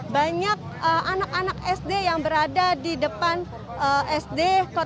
banyak anak anak sd yang berada di depan sd